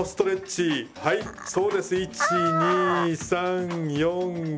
はいそうです。１２３４５。